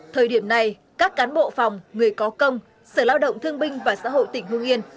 thời điểm này các cán bộ phòng người có công sở lao động thương binh và xã hội tỉnh hương yên